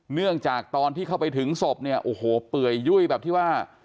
เนื่องจากตอนที่เข้าไปถึงศพเนี่ยโอ้โหเปื่อยยุ่ยแบบที่ว่า